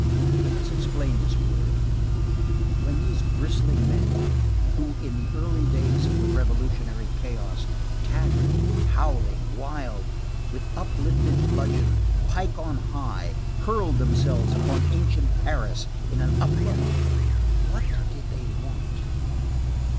Let us explain this word. When these bristling men, who in the early days of the revolutionary chaos, tattered, howling, wild, with uplifted bludgeon, pike on high, hurled themselves upon ancient Paris in an uproar, what did they want?